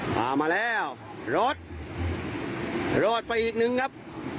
มาแล้วรอดรอดไปอีกนึงครับ